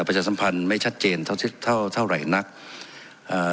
ประชาสัมพันธ์ไม่ชัดเจนเท่าเท่าเท่าไหร่นักอ่า